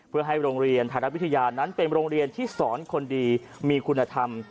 เพื่อให้โรงเรียนธนวิทยานั้นเป็นโรงเรียนที่สอนคนดีมีคุณธรรม